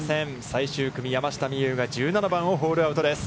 最終組、山下美夢有が、１７番をホールアウトです。